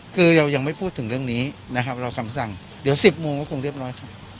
คือเรายังไม่พูดถึงเรื่องนี้นะครับเราคำสั่งเดี๋ยว๑๐โมงก็คงเรียบร้อยครับ